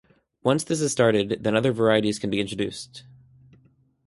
Once this has started then other varieties can be introduced.